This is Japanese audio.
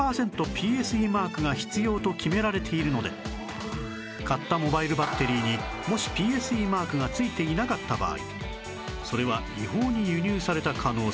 ＰＳＥ マークが必要と決められているので買ったモバイルバッテリーにもし ＰＳＥ マークがついていなかった場合それは違法に輸入された可能性が